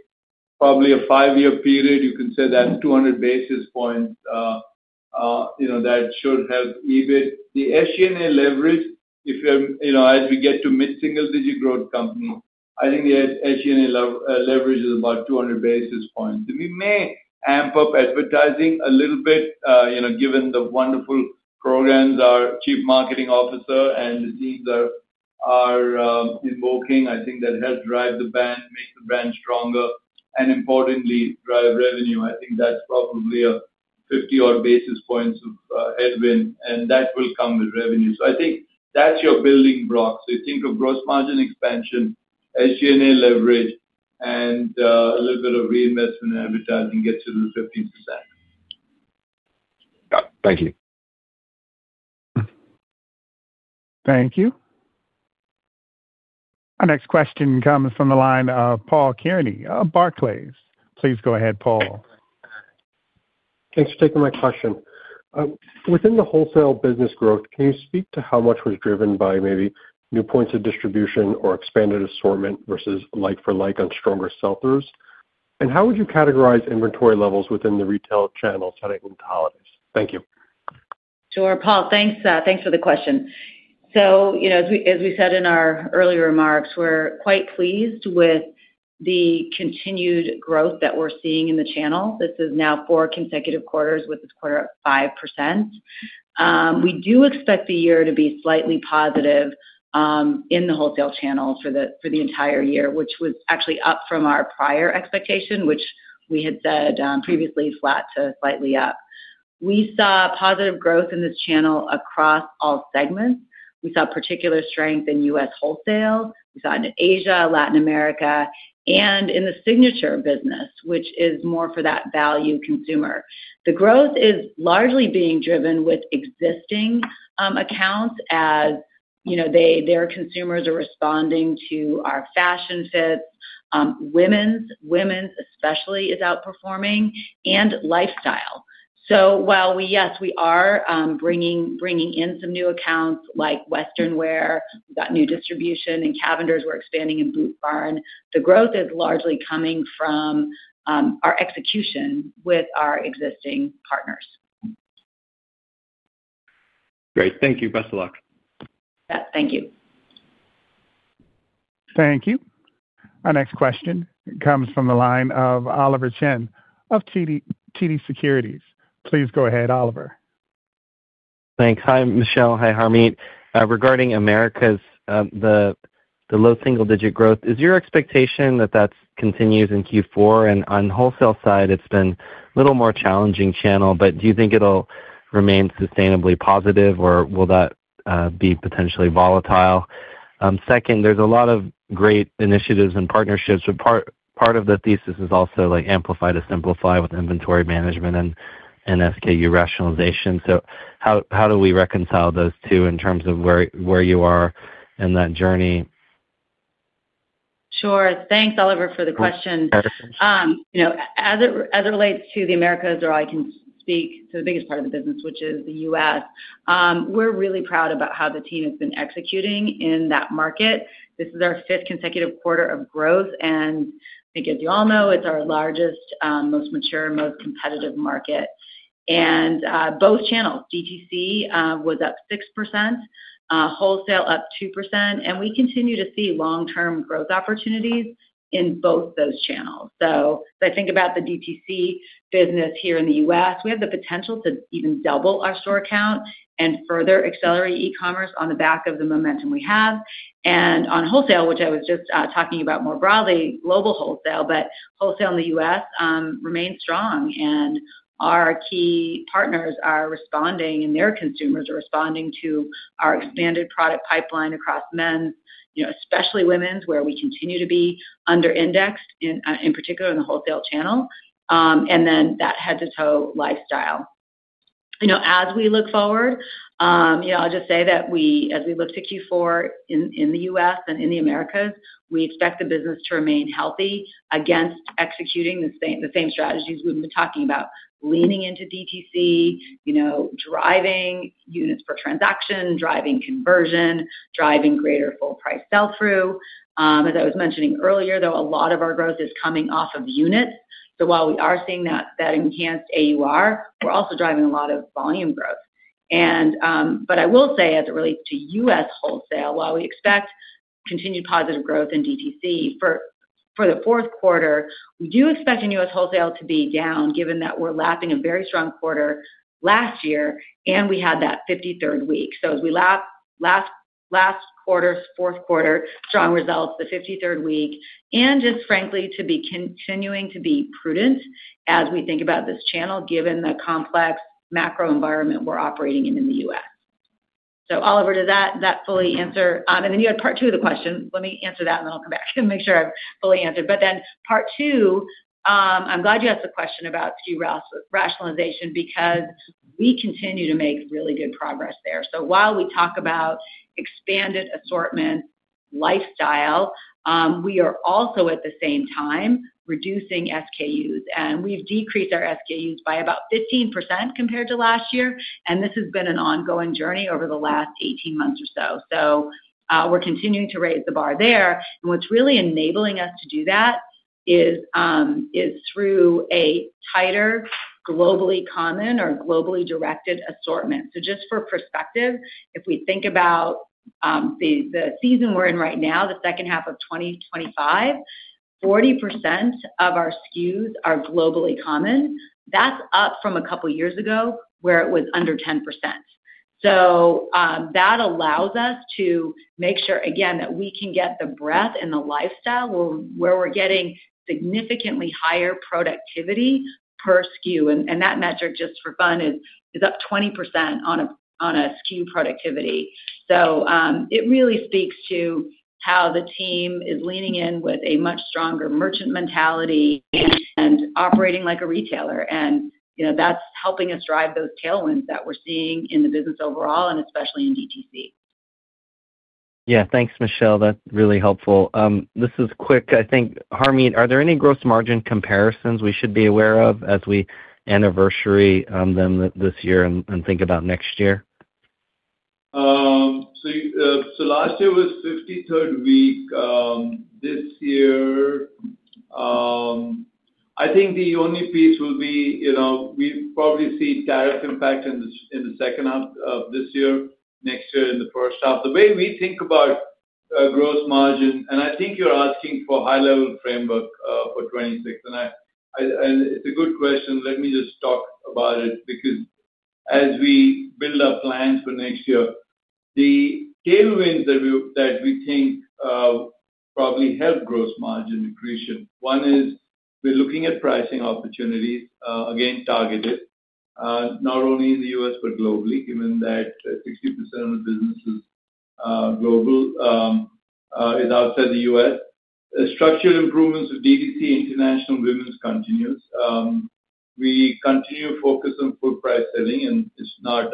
probably a five-year period, you could say that's 200 basis points. That should help EBIT. The SG&A leverage, if you're, you know, as we get to mid-single-digit growth company, I think the SG&A leverage is about 200 basis points. We may amp up advertising a little bit, you know, given the wonderful programs our Chief Marketing Officer and the deeds are invoking. I think that helps drive the brand, makes the brand stronger, and importantly, drives revenue. I think that's probably a 50-odd basis points of headwind, and that will come with revenue. I think that's your building block. You think of gross margin expansion, SG&A leverage, and a little bit of reinvestment in advertising gets you to the 15%. Got it. Thank you. Thank you. Our next question comes from the line of Paul Kearney of Barclays. Please go ahead, Paul. Thanks for taking my question. Within the wholesale business growth, can you speak to how much was driven by maybe new points of distribution or expanded assortment versus like-for-like on stronger sell-throughs? How would you categorize inventory levels within the retail channel setting into holidays? Thank you. Sure, Paul. Thanks. Thanks for the question. As we said in our earlier remarks, we're quite pleased with the continued growth that we're seeing in the channel. This is now four consecutive quarters with this quarter up 5%. We do expect the year to be slightly positive in the wholesale channel for the entire year, which was actually up from our prior expectation, which we had said previously flat to slightly up. We saw positive growth in this channel across all segments. We saw particular strength in U.S. wholesale. We saw it in Asia, Latin America, and in the Signature business, which is more for that value consumer. The growth is largely being driven with existing accounts as their consumers are responding to our fashion fits. Women's, women's especially is outperforming and lifestyle. Yes, we are bringing in some new accounts like Western Wear, we've got new distribution in Cavender's, we're expanding in Boot Barn. The growth is largely coming from our execution with our existing partners. Great. Thank you. Best of luck. Thank you. Thank you. Our next question comes from the line of Oliver Chen of TD Securities. Please go ahead, Oliver. Thanks. Hi, Michelle. Hi, Harmit. Regarding Americas, the low single-digit growth, is your expectation that that continues in Q4? On the wholesale side, it's been a little more challenging channel, but do you think it'll remain sustainably positive or will that be potentially volatile? There are a lot of great initiatives and partnerships, but part of the thesis is also like amplify to simplify with inventory management and SKU rationalization. How do we reconcile those two in terms of where you are in that journey? Sure. Thanks, Oliver, for the question. As it relates to the Americas, or I can speak to the biggest part of the business, which is the U.S., we're really proud about how the team has been executing in that market. This is our fifth consecutive quarter of growth, and I think as you all know, it's our largest, most mature, most competitive market. Both channels, DTC was up 6%, wholesale up 2%, and we continue to see long-term growth opportunities in both those channels. I think about the DTC business here in the U.S. We have the potential to even double our store count and further accelerate e-commerce on the back of the momentum we have. On wholesale, which I was just talking about more broadly, global wholesale, wholesale in the U.S. remains strong. Our key partners are responding, and their consumers are responding to our expanded product pipeline across men's, especially women's, where we continue to be under-indexed, in particular in the wholesale channel, and then that head-to-toe lifestyle. As we look forward, I'll just say that as we look to Q4 in the U.S. and in the Americas, we expect the business to remain healthy against executing the same strategies we've been talking about, leaning into DTC, driving units per transaction, driving conversion, driving greater full price sell-through. As I was mentioning earlier, a lot of our growth is coming off of units. While we are seeing that enhanced AUR, we're also driving a lot of volume growth. I will say, as it relates to U.S. wholesale, while we expect continued positive growth in DTC for the fourth quarter, we do expect in U.S. wholesale to be down, given that we're lapping a very strong quarter last year, and we had that 53rd week. As we lap last quarter, fourth quarter, strong results, the 53rd week, and just frankly to be continuing to be prudent as we think about this channel, given the complex macro environment we're operating in in the U.S. Oliver, does that fully answer? You had part two of the question. Let me answer that, and then I'll come back and make sure I've fully answered. Part two, I'm glad you asked the question about SKU rationalization because we continue to make really good progress there. While we talk about expanded assortment lifestyle, we are also at the same time reducing SKUs. We've decreased our SKUs by about 15% compared to last year. This has been an ongoing journey over the last 18 months or so. We're continuing to raise the bar there. What's really enabling us to do that is through a tighter, globally common or globally directed assortment. Just for perspective, if we think about the season we're in right now, the second half of 2025, 40% of our SKUs are globally common. That's up from a couple of years ago where it was under 10%. That allows us to make sure, again, that we can get the breadth and the lifestyle where we're getting significantly higher productivity per SKU. That metric, just for fun, is up 20% on SKU productivity. It really speaks to how the team is leaning in with a much stronger merchant mentality and operating like a retailer. That's helping us drive those tailwinds that we're seeing in the business overall and especially in DTC. Yeah, thanks, Michelle. That's really helpful. This is quick. I think, Harmit, are there any gross margin comparisons we should be aware of as we anniversary them this year and think about next year? Last year was a 53rd week. This year, I think the only piece will be, you know, we probably see tariff impact in the second half of this year, next year in the first half. The way we think about gross margin, and I think you're asking for a high-level framework for 2026. It's a good question. Let me just talk about it because as we build up plans for next year, the tailwinds that we think probably help gross margin increase. One is we're looking at pricing opportunities, again, targeted, not only in the U.S. but globally, given that 60% of the business is global, is outside the U.S. The structural improvements of DTC International Women's continues. We continue to focus on foot price setting, and it's not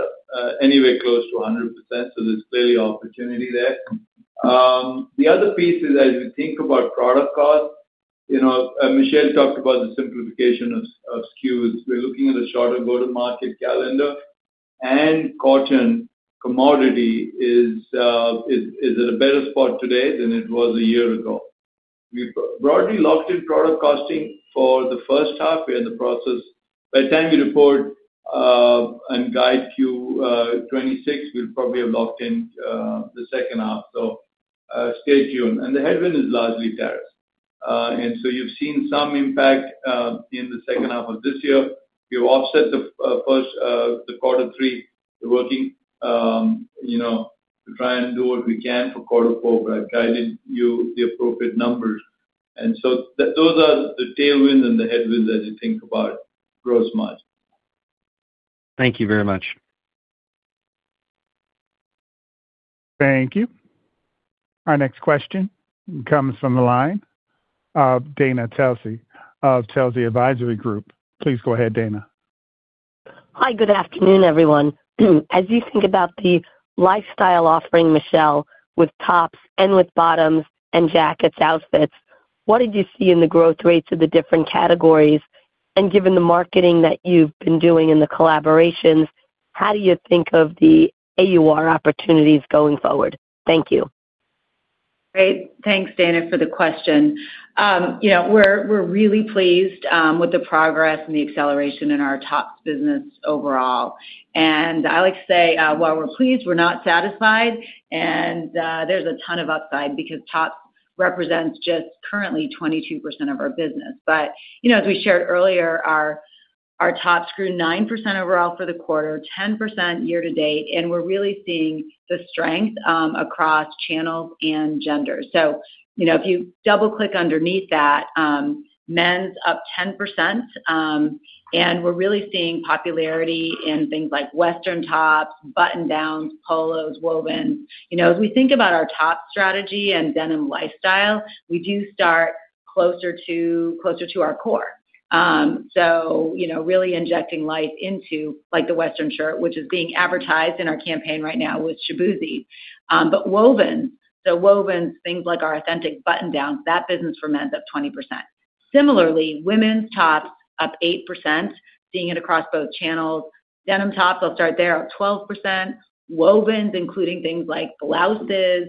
anywhere close to 100%. There's clearly opportunity there. The other piece is as we think about product cost, you know, Michelle talked about the simplification of SKUs. We're looking at a shorter go-to-market calendar, and cotton commodity is at a better spot today than it was a year ago. We've broadly locked in product costing for the first half. We're in the process. By the time we report and guide [you] 2026, we'll probably have locked in the second half. Stay tuned. The headwind is largely tariffs. You've seen some impact in the second half of this year. We've offset the first, the quarter three. We're working, you know, we're trying to do what we can for quarter four, but I've guided you the appropriate numbers. Those are the tailwinds and the headwinds as you think about gross margin. Thank you very much. Thank you. Our next question comes from the line of Dana Telsey of Telsey Advisory Group. Please go ahead, Dana. Hi, good afternoon, everyone. As you think about the lifestyle offering, Michelle, with tops and with bottoms and jackets, outfits, what did you see in the growth rates of the different categories? Given the marketing that you've been doing in the collaborations, how do you think of the AUR opportunities going forward? Thank you. Great. Thanks, Dana, for the question. We're really pleased with the progress and the acceleration in our tops business overall. I like to say, while we're pleased, we're not satisfied. There's a ton of upside because tops represent just currently 22% of our business. As we shared earlier, our tops grew 9% overall for the quarter, 10% year to date, and we're really seeing the strength across channels and genders. If you double-click underneath that, men's up 10%. We're really seeing popularity in things like western tops, button downs, polos, wovens. As we think about our tops strategy and denim lifestyle, we do start closer to our core, really injecting life into the western shirt, which is being advertised in our campaign right now with Shaboozey. Wovens, things like our authentic button downs, that business for men's up 20%. Similarly, women's tops up 8%, seeing it across both channels. Denim tops, I'll start there, up 12%. Wovens, including things like blouses,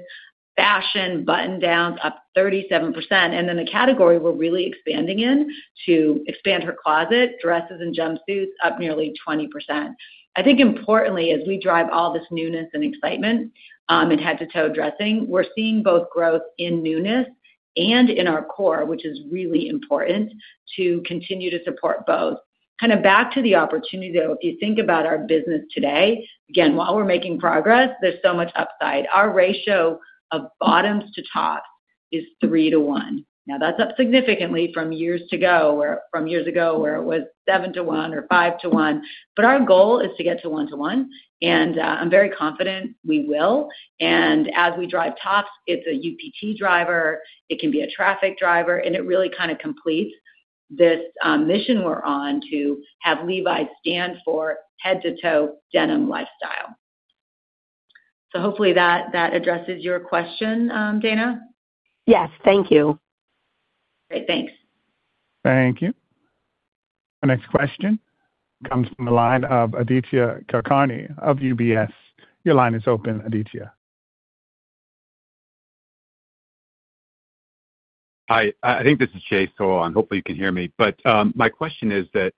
fashion, button downs, up 37%. The category we're really expanding in to expand her closet, dresses and jumpsuits up nearly 20%. Importantly, as we drive all this newness and excitement in head-to-toe dressing, we're seeing both growth in newness and in our core, which is really important to continue to support both. Back to the opportunity, if you think about our business today, while we're making progress, there's so much upside. Our ratio of bottoms to tops is 3:1. That's up significantly from years ago where it was 7:1 or 5:1. Our goal is to get to 1:1. I'm very confident we will. As we drive tops, it's a UPT driver, it can be a traffic driver, and it really kind of completes this mission we're on to have Levi stand for head-to-toe denim lifestyle. Hopefully that addresses your question, Dana. Yes, thank you. Great, thanks. Thank you. Our next question comes from the line of Aditya Kulkarni of UBS. Your line is open, Aditya. Hi, I think this is Jay Sole, and hopefully you can hear me. My question is that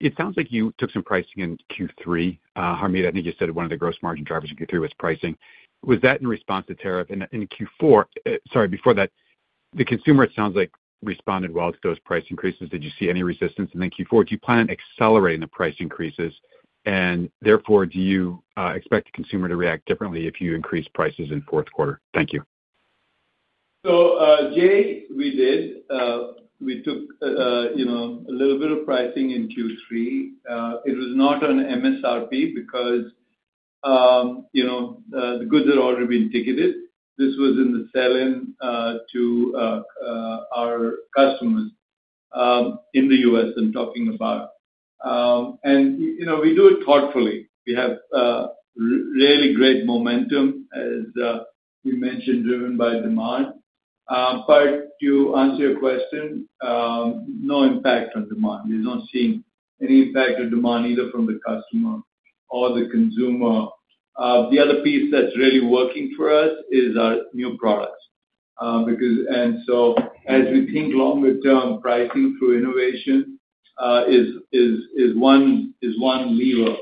it sounds like you took some pricing in Q3. Harmit, I think you said one of the gross margin drivers in Q3 was pricing. Was that in response to tariff? In Q4, sorry, before that, the consumer, it sounds like, responded well to those price increases. Did you see any resistance? In Q4, do you plan on accelerating the price increases? Therefore, do you expect the consumer to react differently if you increase prices in the fourth quarter? Thank you. Jay, we did. We took, you know, a little bit of pricing in Q3. It was not on MSRP because, you know, the goods are already being ticketed. This was in the selling to our customers in the U.S. I'm talking about. You know, we do it thoughtfully. We have really great momentum, as we mentioned, driven by demand. To answer your question, no impact on demand. We've not seen any impact on demand either from the customer or the consumer. The other piece that's really working for us is our new products. As we think longer-term, pricing through innovation is one lever.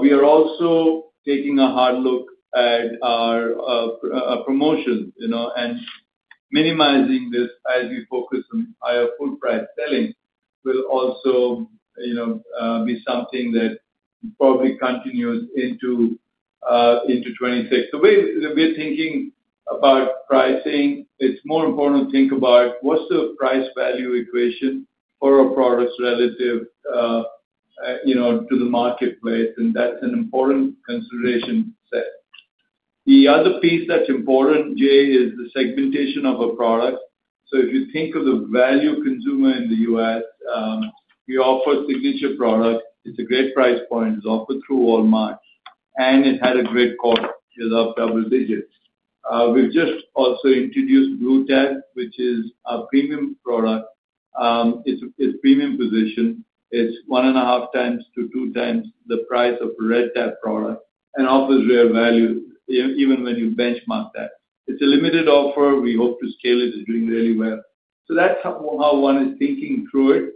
We are also taking a hard look at our promotions, you know, and minimizing this as we focus on higher full-price selling will also, you know, be something that probably continues into 2026. The way that we're thinking about pricing, it's more important to think about what's the price-value equation for our products relative, you know, to the marketplace. That's an important consideration to say. The other piece that's important, Jay, is the segmentation of our product. If you think of the value consumer in the U.S., we offer Signature product. It's a great price point. It's offered through Walmart. It had a great cost. It was up double digits. We've just also introduced Blue Tab, which is a premium product. It's a premium position. It's 1 1/2x-2x the price of the Red Tab product and offers rare value, even when you benchmark that. It's a limited offer. We hope to scale it to doing really well. That's how one is thinking through it.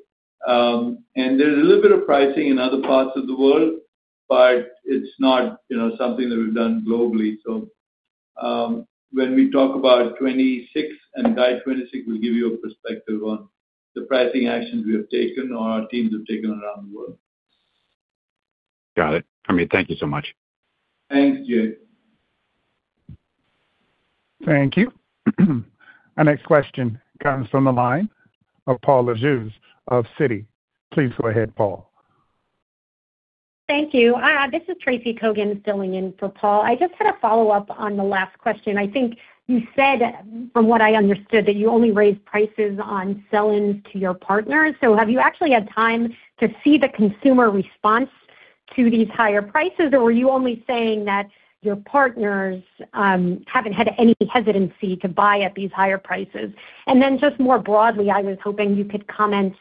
There's a little bit of pricing in other parts of the world, but it's not, you know, something that we've done globally. When we talk about 2026 and guide 2026, we'll give you a perspective on the pricing actions we have taken or our teams have taken around the world. Got it. Harmit, thank you so much. Thanks, Jay. Thank you. Our next question comes from the line of Paul Lejuez of Citi. Please go ahead, Paul. Thank you. This is Tracy Kogan filling in for Paul. I just had a follow-up on the last question. I think you said, from what I understood, that you only raised prices on selling to your partners. Have you actually had time to see the consumer response to these higher prices, or were you only saying that your partners haven't had any hesitancy to buy at these higher prices? I was hoping you could comment on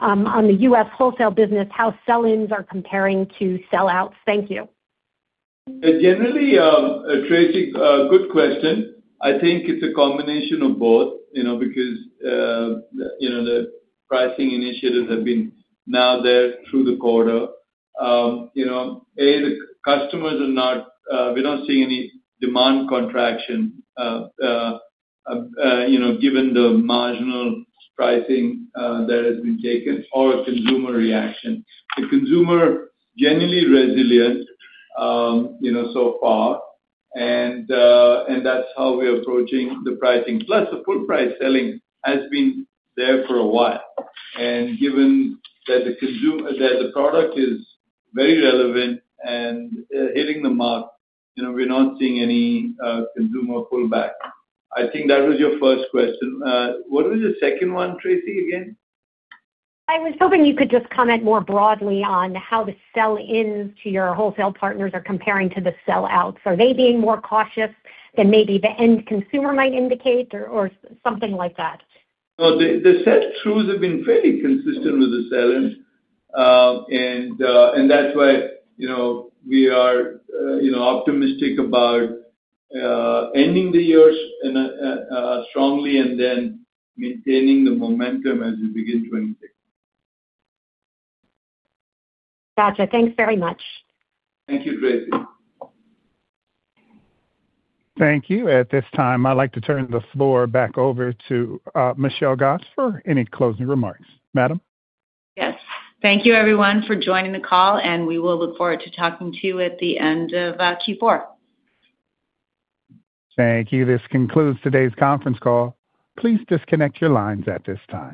the U.S. wholesale business, how sell-ins are comparing to sell-outs. Thank you. Generally, Tracy, good question. I think it's a combination of both, you know, because the pricing initiatives have been now there through the quarter. The customers are not, we're not seeing any demand contraction, you know, given the marginal pricing that has been taken or a consumer reaction. The consumer is generally resilient, you know, so far. That's how we're approaching the pricing. Plus, the full price selling has been there for a while. Given that the product is very relevant and hitting the mark, we're not seeing any consumer pullback. I think that was your first question. What was your second one, Tracy, again? I was hoping you could just comment more broadly on how the sell-ins to your wholesale partners are comparing to the sell-outs. Are they being more cautious than maybe the end consumer might indicate or something like that? The sell-throughs have been fairly consistent with the sell-ins. That is why we are optimistic about ending the year strongly and then maintaining the momentum as we begin 2026. Gotcha. Thanks very much. Thank you, Tracy. Thank you. At this time, I'd like to turn the floor back over to Michelle Gass for any closing remarks. Madam? Yes. Thank you, everyone, for joining the call, and we will look forward to talking to you at the end of Q4. Thank you. This concludes today's conference call. Please disconnect your lines at this time.